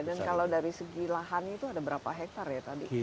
dan kalau dari segi lahan itu ada berapa hektare ya tadi